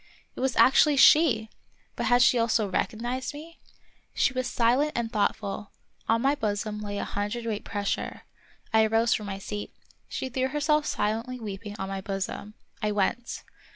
It was actually she ! But had she also recognized me } She was silent and thoughtful; on my bosom lay a hundredweight pressure. I arose from my seat. She threw her self silently weeping on my bosom. I went.